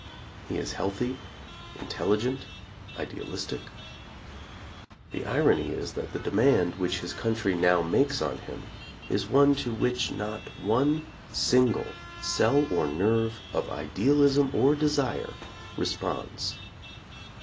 He is healthy, intelligent, idealistic. The irony is that the demand which his country now makes on him is one to which not one single cell or nerve of idealism or desire re sponds.